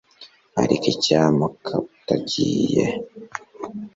ariko icyampa ukaba utagiye